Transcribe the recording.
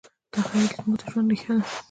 تخیل زموږ د ژوند ریښه ده.